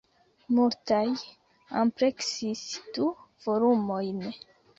Multaj ampleksis du volumojn.